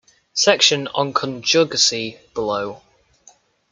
Section on conjugacy below.